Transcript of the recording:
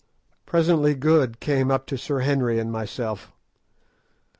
Presently Good came up to Sir Henry and myself.